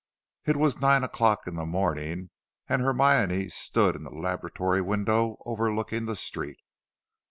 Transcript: It was nine o'clock in the morning, and Hermione stood in the laboratory window overlooking the street.